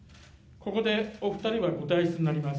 ここでお二人はご退室になります。